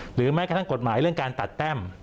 หรือแบบกฎหมายการตัดแบ้ม